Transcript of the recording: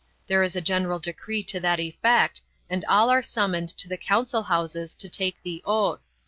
There is a general decree to that effect, and all are summoned to the council houses to take the oath.